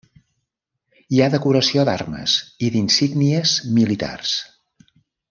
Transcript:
Hi ha decoració d'armes i d'insígnies militars.